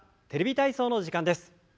「テレビ体操」の時間です。